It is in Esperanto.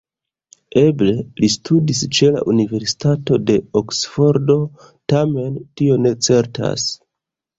Eble li studis ĉe la Universitato de Oksfordo, tamen tio ne certas.